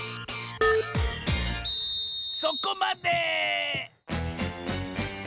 そこまで！